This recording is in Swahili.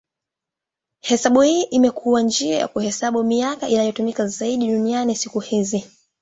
Hesabu hii imekuwa njia ya kuhesabu miaka inayotumika zaidi duniani siku hizi.